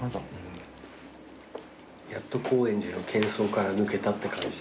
やっと高円寺の喧騒から抜けたって感じだよ。